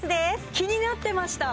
気になってました！